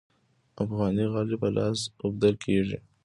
افغاني غالۍ په لاس اوبدل کیږي